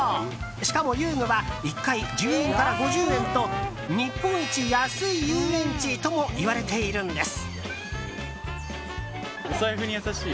しかも遊具は１回１０円から５０円と日本一安い遊園地ともいわれているんです。